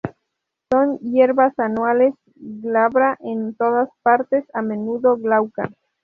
Son hierbas anuales, glabra en todas partes, a menudo glauca.